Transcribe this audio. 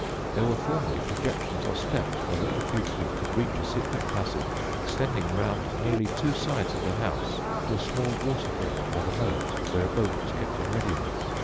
There were formerly projections or steps by which a fugitive could reach a secret passage extending round nearly two sides of the house to a small water gate by the moat, where a boat was kept in readiness.